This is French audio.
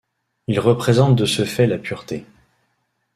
Ils représentent de ce fait la pureté.